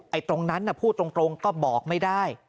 ตรงนั้นน่ะพูดตรงก็บอกไม่ได้